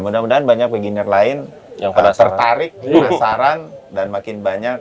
mudah mudahan banyak weginir lain tertarik penasaran dan makin banyak